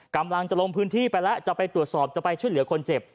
กำลังจะลงพื้นที่ไปแล้วจะไปตรวจสอบจะไปช่วยเหลือคนเจ็บ